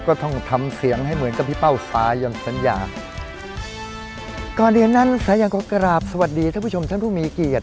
ก็ต้องทำเสียงให้เหมือนกับพี่เป้าสายันสัญญาก่อนเรียนนั้นสายันก็กราบสวัสดีท่านผู้ชมท่านผู้มีเกียรติ